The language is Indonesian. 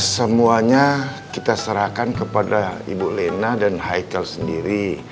semuanya kita serahkan kepada ibu lena dan haitle sendiri